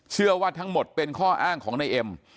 เชื่อว่าทั้งหมดเป็นข้ออ้างของนายเอ็ม